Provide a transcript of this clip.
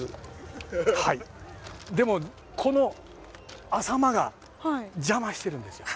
でもこの「あさま」が邪魔してるんですよ。